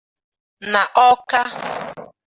n'Awka.